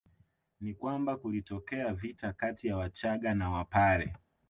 Ni kwamba kulitokea vita kati ya Wachaga na Wapare